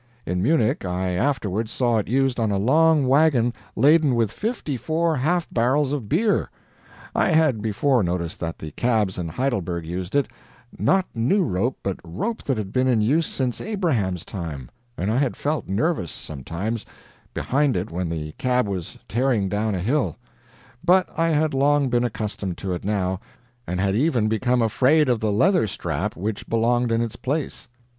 In Munich I afterward saw it used on a long wagon laden with fifty four half barrels of beer; I had before noticed that the cabs in Heidelberg used it not new rope, but rope that had been in use since Abraham's time and I had felt nervous, sometimes, behind it when the cab was tearing down a hill. But I had long been accustomed to it now, and had even become afraid of the leather strap which belonged in its place.